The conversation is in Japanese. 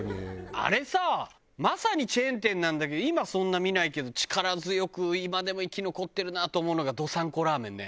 あれさまさにチェーン店なんだけど今そんな見ないけど力強く今でも生き残ってるなと思うのがどさん子ラーメンね。